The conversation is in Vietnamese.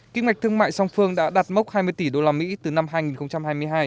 kinh mạch thương mại song phương đã đạt mốc hai mươi tỷ usd từ năm hai nghìn hai mươi hai